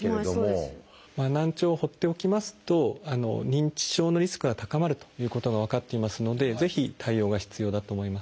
難聴を放っておきますと認知症のリスクが高まるということが分かっていますのでぜひ対応が必要だと思います。